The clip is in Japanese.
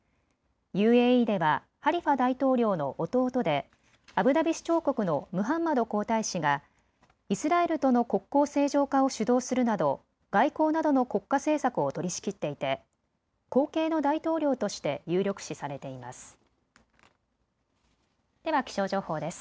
ＵＡＥではハリファ大統領の弟でアブダビ首長国のムハンマド皇太子がイスラエルとの国交正常化を主導するなど外交などの国家政策を取りしきっていて後継の大統領として有力視されています。